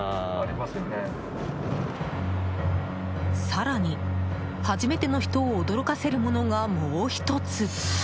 更に、初めての人を驚かせるものが、もう１つ。